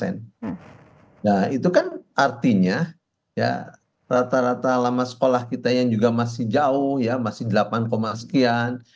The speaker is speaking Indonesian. nah itu kan artinya rata rata lama sekolah kita yang juga masih jauh ya masih delapan sekian